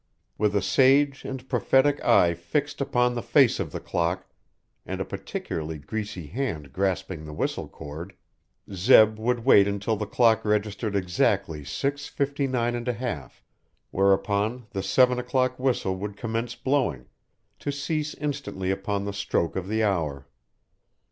With a sage and prophetic eye fixed upon the face of the clock, and a particularly greasy hand grasping the whistle cord, Zeb would wait until the clock registered exactly six fifty nine and a half whereupon the seven o'clock whistle would commence blowing, to cease instantly upon the stroke of the hour.